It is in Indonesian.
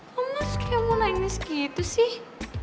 kok mas kayak mula ini segitu sih